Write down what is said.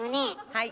はい。